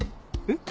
えっ？